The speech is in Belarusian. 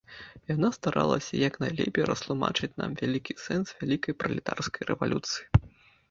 Яна старалася як найлепей растлумачыць нам вялікі сэнс вялікай пралетарскай рэвалюцыі.